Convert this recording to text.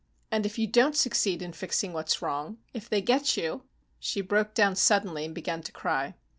"And if you don't succeed in fixing what's wrong, if they get you " She broke down suddenly and began to cry.